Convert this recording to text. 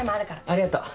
ありがとう。